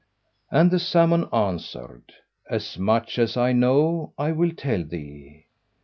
And the salmon answered, "As much as I know I will tell thee.